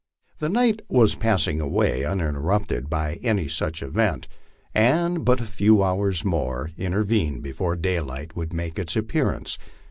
The night was passing away uninterrupted by any such event, and but a few hours more intervened before daylight would make its appearance.